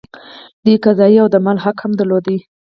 دوی قضايي او د مال حق هم درلود.